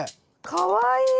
かわいい！